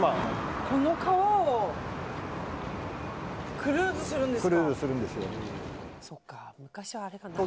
この川をクルーズするんですか。